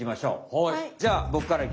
はい。